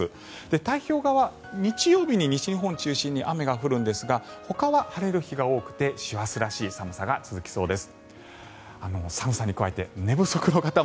太平洋側、日曜日に西日本中心に雨が降るんですがほかは晴れる日が多くて師走らしい寒さが続きそうです。